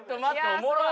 おもろっ！